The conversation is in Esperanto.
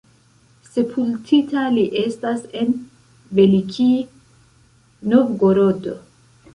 Sepultita li estas en Velikij Novgorod.